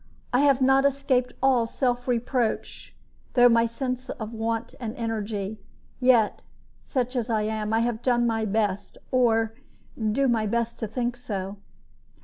I have not escaped all self reproach through my sense of want of energy; yet, such as I am, I have done my best, or I do my best to think so."